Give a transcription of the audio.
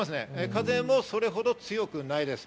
風もそれほど強くないです。